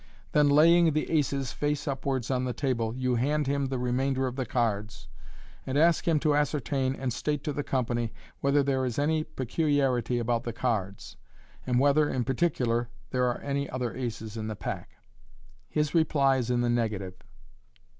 Then laying the aces face upwards on the table, you hand him the remainder of the cards, and ask him to ascertain and state to the company, whether there is any peculiarity about the cards, and whether, in particular, there are any otter aces in the pack. His reply is in the negative.